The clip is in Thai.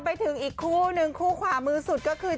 ไปถึงอีกคู่นึงคู่ขวามือสุดก็คือ